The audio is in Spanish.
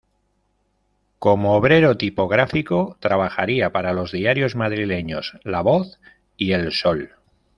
Como obrero tipógrafo trabajaría para los diarios madrileños "La Voz" y "El Sol".